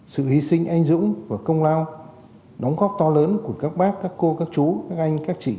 sự hy sinh anh dũng và công lao đóng góp to lớn của các bác các cô các chú các anh các chị